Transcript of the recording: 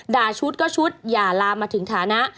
ชุดก็ชุดอย่าลามมาถึงฐานะ